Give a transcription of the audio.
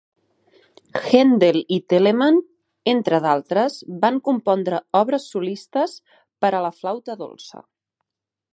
Handel i Telemann, entre d'altres, van compondre obres solistes per a la flauta dolça.